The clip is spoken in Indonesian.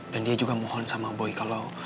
dan dia juga mohon sama boy kalau